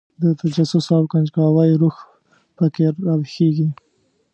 د تجسس او کنجکاوۍ روح په کې راویښېږي.